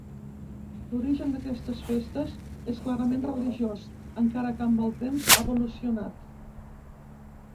L'origen d'aquestes festes és clarament religiós, encara que amb el temps ha evolucionat.